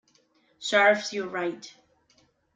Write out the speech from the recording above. Serves you right